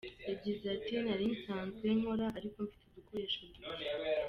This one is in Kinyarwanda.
Yagize ati “Nari nsanzwe nkora ariko mfite udukoresho duke.